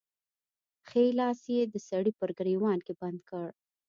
ښی لاس يې د سړي په ګرېوان کې بند کړ.